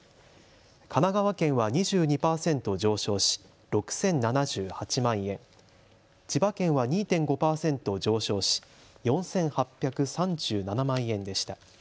神奈川県は２２％上昇し６０７８万円、千葉県は２．５％上昇し４８３７万円でした。